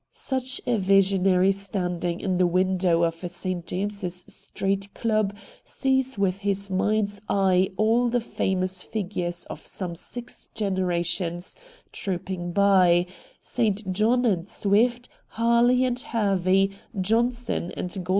Such a visionary standing in the window of a St. James's Street club sees with his mind's eye all the famous figures of some six generations trooping by — St. John and Swift, Harley and Hervey, Johnson and Gold VOL.